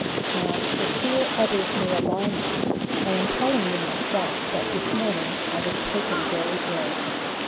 Now, for fear others may alarm you, I am telling you myself that this morning I was taken very ill.